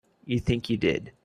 You think you did.